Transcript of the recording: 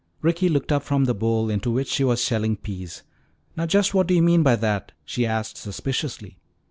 Ricky looked up from the bowl into which she was shelling peas. "Now just what do you mean by that?" she asked suspiciously.